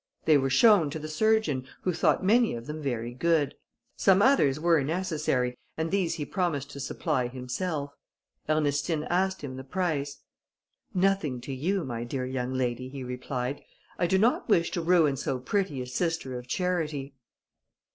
They were shown to the surgeon, who thought many of them very good; some others were necessary, and these he promised to supply himself; Ernestine asked him the price. "Nothing to you, my dear young lady," he replied, "I do not wish to ruin so pretty a sister of charity."